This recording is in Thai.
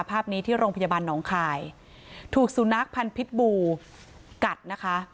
ภาพนี้ที่โรงพยาบาลหนองคายถูกสุนัขพันธ์พิษบูกัดนะคะ